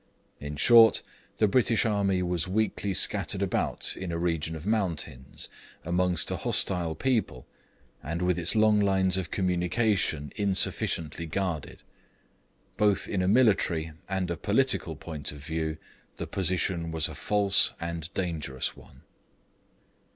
In short, the British army was weakly scattered about in a region of mountains, amongst a hostile people, and with its long lines of communication insufficiently guarded. Both in a military and a political point of view the position was a false and dangerous one.